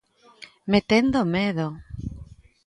¡Metendo medo!